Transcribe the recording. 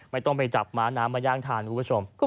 ไม่ต้องไปจับม้าน้ำมาย่างทานคุณผู้ชม